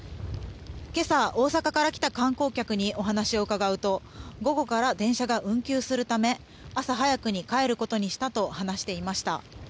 今朝、大阪から来た観光客にお話を伺うと午後から電車が運休するため朝早くに帰ることにしたと話していました。